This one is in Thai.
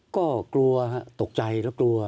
ก็กลัวถูกใจและกลัว